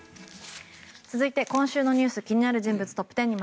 続いて今週の気になる人物トップ１０。